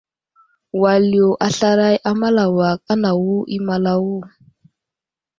Wal yo aslaray a malawak anawo i malawo.